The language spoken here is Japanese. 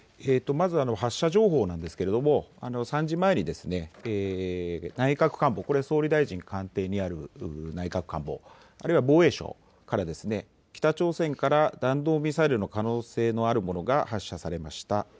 まず発射情報なんですけれども、３時前に内閣官房、総理大臣官邸にある内閣官房、あるいは防衛省から北朝鮮から弾道ミサイルの可能性のあるものが発射されました。